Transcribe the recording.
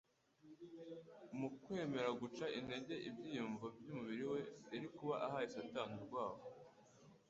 Mu kwemera guca intege ibyiyumviro by'umubiri we. yari kuba ahaye Satani urwaho.